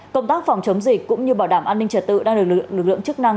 công tác phòng chống dịch cũng như bảo đảm an ninh trật tự đang được lực lượng chức năng